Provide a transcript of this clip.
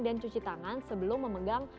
cuci tangan sebelum memegang